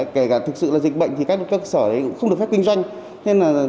kể cả thực sự là dịch bệnh thì các cơ sở ấy cũng không được phép kinh doanh